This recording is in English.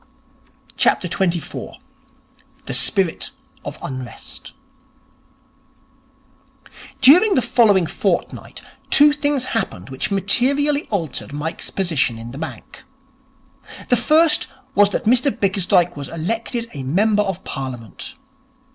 24. The Spirit of Unrest During the following fortnight, two things happened which materially altered Mike's position in the bank. The first was that Mr Bickersdyke was elected a member of Parliament.